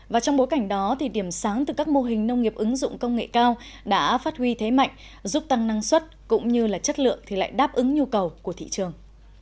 và trong bối cảnh đó thì điểm sáng từ các mô hình nông nghiệp ứng dụng công nghệ cao đã phát huy thế mạnh giúp tăng năng suất cũng như là chất lượng thì lại đáp ứng nhu cầu của thị trường